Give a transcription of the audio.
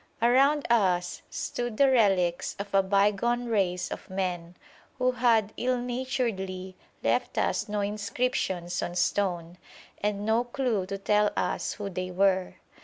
Around us stood the relics of a bygone race of men, who had ill naturedly left us no inscriptions on stone, and no clue to tell us who they were.